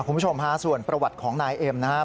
คุณผู้ชมฮะส่วนประวัติของนายเอ็มนะครับ